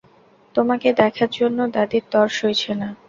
তোমাকে দেখার জন্য দাদীর তর সইছে না।